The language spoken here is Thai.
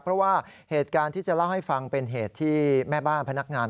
เพราะว่าเหตุการณ์ที่จะเล่าให้ฟังเป็นเหตุที่แม่บ้านพนักงาน